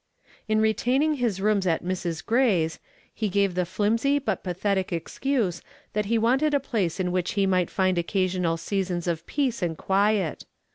In retaining his rooms at Mrs. Gray's, he gave the flimsy but pathetic excuse that he wanted a place in which he might find occasional seasons of peace and quiet.